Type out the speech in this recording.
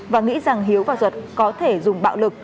và nghĩ rằng hiếu và duật có thể dùng bạo lực